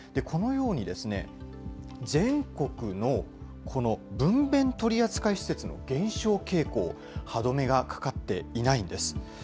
このように、全国のこの分べん取り扱い施設の減少傾向、歯止めがかかっていないんです。